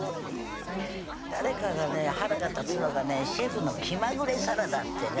誰かがね腹が立つのがね「シェフの気まぐれサラダ」ってね